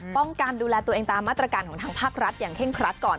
ป้องกันดูแลตัวเองตามมาตรการของทางภาครัฐอย่างเร่งครัดก่อน